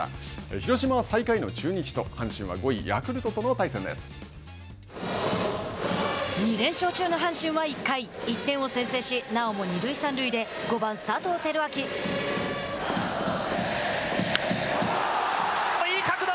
広島は最下位の中日と２連勝中の阪神は１回１点を先制しなおも二塁三塁でいい角度。